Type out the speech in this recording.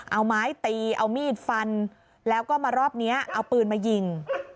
เอาไม้ตีเอามีดฟันแล้วก็มารอบนี้เอาปืนมายิง